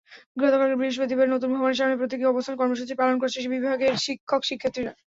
গতকাল বৃহস্পতিবার নতুন ভবনের সামনে প্রতীকী অবস্থান কর্মসূচি পালন করেছে বিভাগের শিক্ষক-শিক্ষার্থীরা।